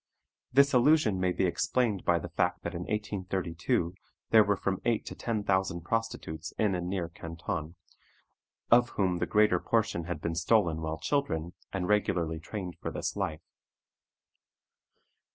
This allusion may be explained by the fact that in 1832 there were from eight to ten thousand prostitutes in and near Canton, of whom the greater portion had been stolen while children, and regularly trained for this life.